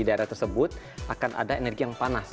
jadi kalau mereka menonton mereka akan menikmati energi yang panas